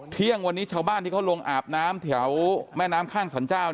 เที่ยงวันนี้ชาวบ้านที่เขาลงอาบน้ำแถวแม่น้ำข้างสรรเจ้า